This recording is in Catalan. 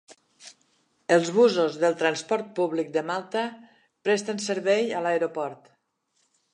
Els busos del transport públic de Malta presten servei a l'aeroport.